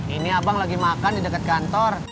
ini abang lagi makan di dekat kantor